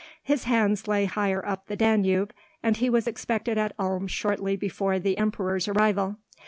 His lands lay higher up the Danube, and he was expected at Ulm shortly before the Emperor's arrival.